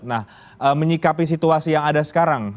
nah menyikapi situasi yang ada sekarang